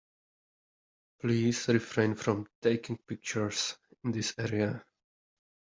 Please refrain from taking pictures in this area.